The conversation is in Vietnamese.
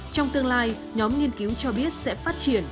trong tương lai nhóm nghiên cứu cho biết sẽ phát triển